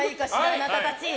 あなたたち！